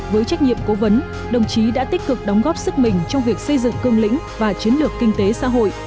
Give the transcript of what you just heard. với trách nhiệm cố vấn đồng chí đã tích cực đóng góp sức mình trong việc xây dựng cơm lĩnh và chiến lược kinh tế xã hội